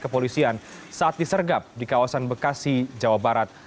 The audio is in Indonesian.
kepolisian saat disergap di kawasan bekasi jawa barat